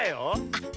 あっ！